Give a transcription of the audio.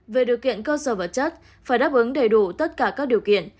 về điều kiện cơ sở vật chất phải đáp ứng đầy đủ tất cả các điều kiện